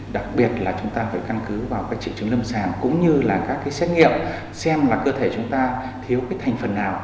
đặc biệt là chúng ta phải căn cứ vào các triệu chứng lâm sàng cũng như là các cái xét nghiệm xem là cơ thể chúng ta thiếu cái thành phần nào